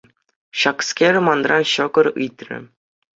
Ҫакскер манран ҫӑкӑр ыйтрӗ.